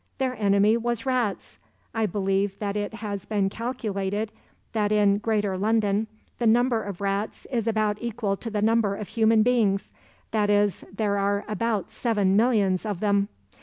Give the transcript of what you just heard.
Their enemy was rats. I believe that it has been calculated that in 'greater London' the number of rats is about equal to the number of human beings, that is, there are about seven millions of them.